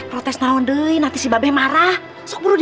kirain diperiksa kayak dokter